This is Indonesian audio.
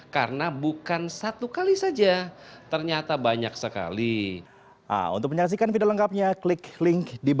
karena bukan satu kali saja ternyata banyak sekali